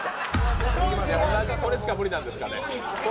これしか無理なんですかね。